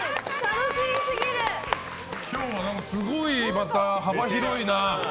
今日はすごい幅広いな。